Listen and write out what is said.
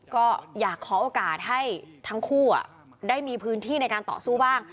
ก็อยากขอโอกาสให้ทั้งคู่ได้มีพื้นที่ในการต่อสู้บ้าง